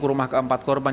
ke rumah keempat korban